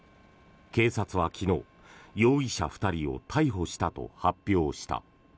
警察は昨日容疑者２人を逮捕したと発表した。